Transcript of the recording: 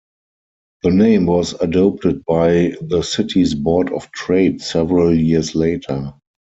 The name was adopted by the city's Board of Trade several years later.